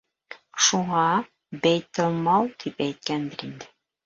Шуға бәйтелмал тип әйткәндер инде.